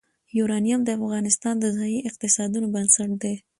یورانیم د افغانستان د ځایي اقتصادونو بنسټ دی.